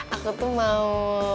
aku tuh mau